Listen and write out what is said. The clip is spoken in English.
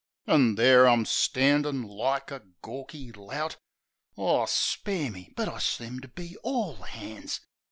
An' there I'm standin' like a gawky lout. (Aw, spare me! But I seemed to be all 'ands!)